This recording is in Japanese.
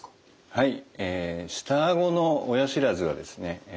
はい。